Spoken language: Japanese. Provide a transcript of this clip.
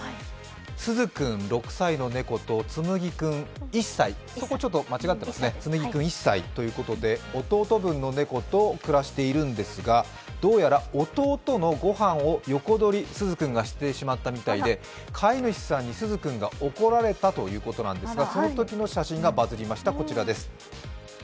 すず君６歳の猫とつむぎ君１歳ということで弟分の猫と暮らしているんですが、どうやら弟のご飯を横取りをすず君がしてしまったみたいで飼い主さんにすず君が怒られたということなんですがそのときの写真がバズりました。